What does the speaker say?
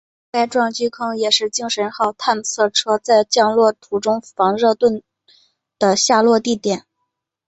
该撞击坑也是精神号探测车在降落途中防热盾的落下地点。